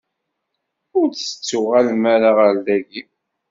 Ur d-tettuɣalem ara ɣer dagi.